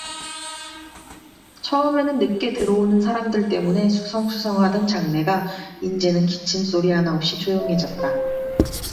처음에는 늦게 들어오는 사람들 때문에 수성수성하던 장내가 인제는 기침 소리 하나 없이 조용해졌다.